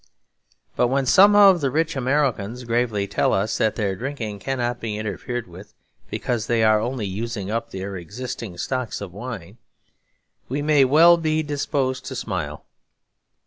But when some of the rich Americans gravely tell us that their drinking cannot be interfered with, because they are only using up their existing stocks of wine, we may well be disposed to smile.